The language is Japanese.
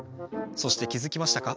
そしてきづきましたか？